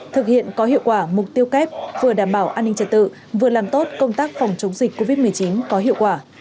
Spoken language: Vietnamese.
thực hiện có hiệu quả mục tiêu kép vừa đảm bảo an ninh trật tự vừa làm tốt công tác phòng chống dịch covid một mươi chín có hiệu quả